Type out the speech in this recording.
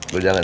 gue jalan ya